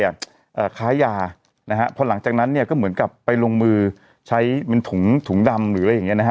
ผมเฮ่ยข้ายยาพอหลังจากนั้นก็เหมือนกับไปลงมือใช้โถงดำหรืออะไรอย่างเนี้ยนะฮะ